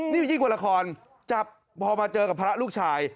นี่ยิ่งกว่าละครจับพอมาเจอกับพระลูกชาย